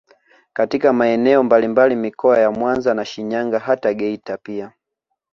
Katika maeneo mbalimbali mikoa ya Mwanza na Shinyanga hata Geita pia